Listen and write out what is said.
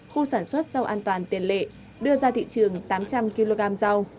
khu sản xuất rau an toàn tiền lệ đưa ra thị trường tám trăm linh kg rau